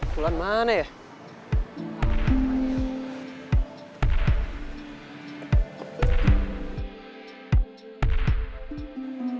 pulau mana ya